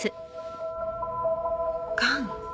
がん？